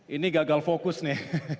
ini gagal fokus nih